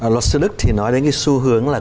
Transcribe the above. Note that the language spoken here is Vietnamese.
luật sư đức thì nói đến cái xu hướng là